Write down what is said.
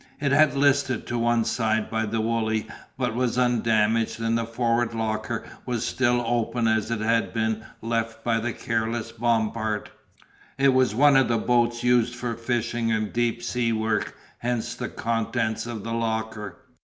It had been listed to one side by the Wooley but was undamaged and the forward locker was still open as it had been left by the careless Bompard. It was one of the boats used for fishing and deep sea work, hence the contents of the locker.